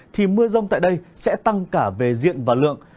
thì mưa rông tại đây sẽ tăng cả về diện và lượng